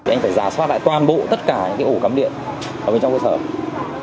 anh phải giả soát lại toàn bộ tất cả những ổ cắm điện ở bên trong cơ sở